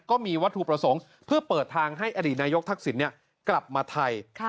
ก็มีวัตถุประสงค์เพื่อเปิดทางให้อดีตนายกทักษิณกลับมาไทย